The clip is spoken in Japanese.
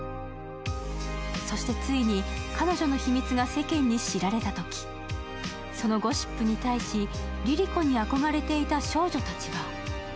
そしてついに、彼女の秘密が世間に知られたとき、そのゴシップに対し、りりこに憧れていた少女たちは。